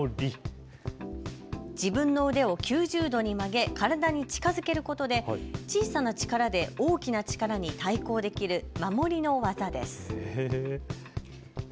自分の腕を９０度に曲げ体に近づけることで小さな力で大きな力に対抗できる守りの技です。